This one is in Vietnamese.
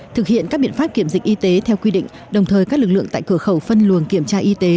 thực hiện các biện pháp kiểm dịch y tế theo quy định đồng thời các lực lượng tại cửa khẩu phân luồng kiểm tra y tế